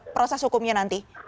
proses hukumnya nanti